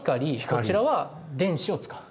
こちらは電子を使う。